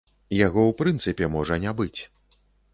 Яго ў прынцыпе можа не быць.